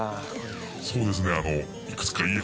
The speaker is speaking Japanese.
「そうですね」